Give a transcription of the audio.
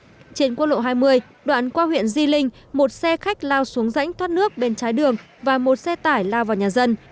trên quốc lộ hai mươi đoạn qua huyện di linh một xe khách lao xuống rãnh thoát nước bên trái đường và một xe tải lao vào nhà dân